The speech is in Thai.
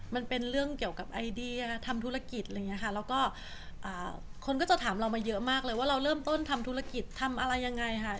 มันเป็นเรื่องเกี่ยวกับไอเดียทำธุรกิจอะไรอย่างนี้ค่ะแล้วก็คนก็จะถามเรามาเยอะมากเลยว่าเราเริ่มต้นทำธุรกิจทำอะไรยังไงค่ะ